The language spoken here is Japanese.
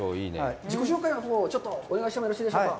自己紹介のほうを、ちょっとお願いしてもよろしいでしょうか。